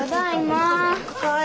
お帰り。